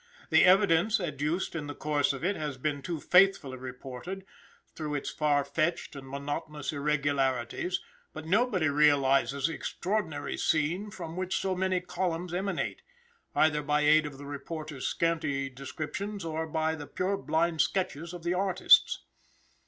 The evidence adduced in the course of it, has been too faithfully reported, through its far fetched and monotonous irregularities, but nobody realizes the extraordinary scene from which so many columns emanate, either by aid of the reporters' scanty descriptions, or by the purblind sketches of the artists.